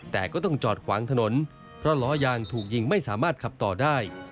แต่ก็ต้องจอดขวางถนนเพราะล้อยางถูกยิงไม่สามารถขับต่อได้